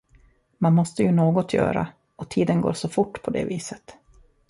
Man måste ju något göra, och tiden går så fort på det viset.